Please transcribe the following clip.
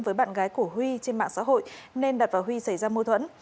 với bạn gái của huy trên mạng xã hội nên đạt và huy xảy ra mâu thuẫn